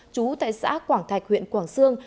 trú tại xã quảng thạch huyện quảng sơn